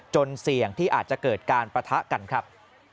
เสี่ยงที่อาจจะเกิดการปะทะกันครับ